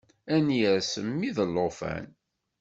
Ad n-yers mmi d llufan.